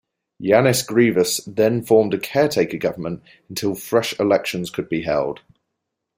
Yiannis Grivas then formed a caretaker government until fresh elections could be held.